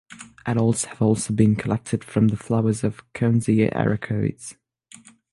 Adults have also been collected from the flowers of "Kunzea ericoides".